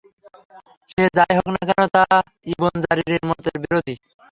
সে যাই হোক না কেন, তা ইবন জারীরের মতের বিরোধী।